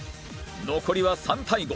残りは３対５